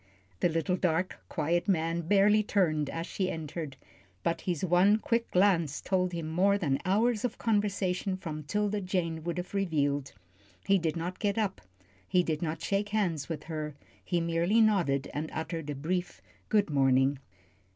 The little, dark, quiet man barely turned as she entered, but his one quick glance told him more than hours of conversation from 'Tilda Jane would have revealed. He did not get up, he did not shake hands with her, he merely nodded and uttered a brief "Good morning."